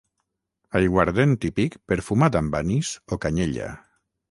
aiguardent típic perfumat amb anís o canyella